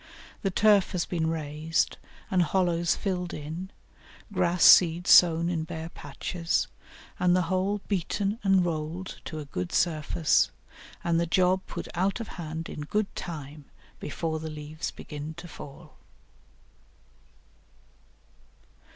The turf has been raised and hollows filled in, grass seed sown in bare patches, and the whole beaten and rolled to a good surface, and the job put out of hand in good time before the leaves begin to fall.